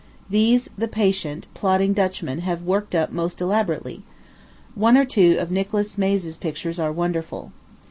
These, the patient, plodding Dutchmen have worked up most elaborately. One or two of Nicholas Maes's pictures are wonderful.